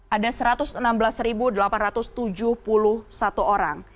ada satu ratus enam belas delapan ratus tujuh puluh satu orang